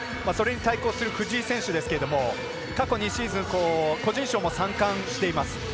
それに対抗する藤井選手ですけども過去２シーズン、個人賞も３冠しています。